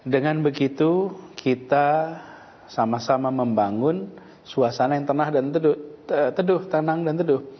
dengan begitu kita sama sama membangun suasana yang tenang dan teduh